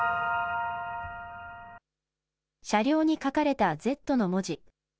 車両に書かれたＺの文字。